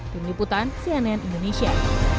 dini putan cnn indonesia